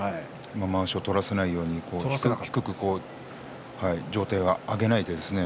まわしを取らせないように低く上体を上げないでですね